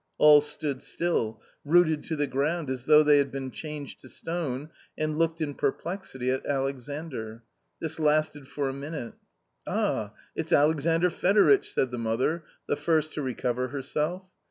All stood still, rooted to the ground, as though they had been changed to stone and looked in perplexity at Alexandr. This lasted for a minute. " Ah ! its Alexandr Fedoritch !" said the mother, the first to recover herself.